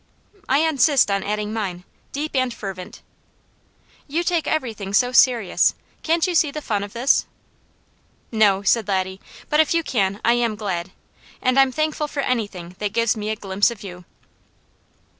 "I insist on adding mine. Deep and fervent!" "You take everything so serious. Can't you see the fun of this?" "No," said Laddie. "But if you can, I am glad, and I'm thankful for anything that gives me a glimpse of you."